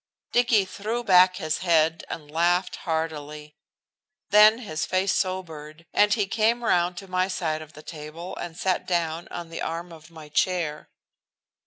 Dicky threw back his head and laughed heartily. Then his face sobered, and he came round to my side of the table and sat down on the arm of my chair.